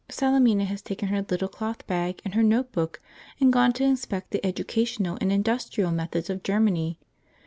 Salemina has taken her little cloth bag and her notebook and gone to inspect the educational and industrial methods of Germany.